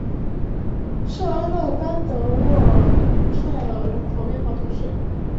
圣阿勒班德沃塞尔人口变化图示